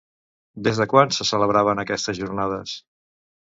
Des de quan se celebraven aquestes jornades?